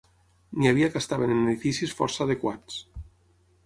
N'hi havia que estaven en edificis força adequats.